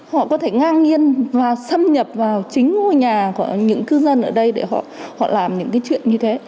họ có thể ngang nhiên và xâm nhập vào chính ngôi nhà của những cư dân ở đây để họ làm những cái chuyện như thế